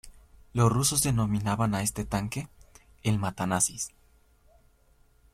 Los rusos denominaban a este tanque, el "Mata-nazis".